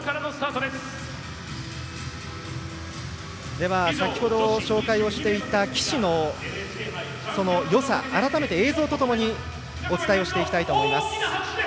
では先程紹介をしていた岸のよさ改めて映像とともにお伝えしていきたいと思います。